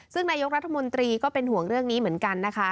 ซึ่งนายกรัฐมนตรีก็เป็นห่วงเรื่องนี้เหมือนกันนะคะ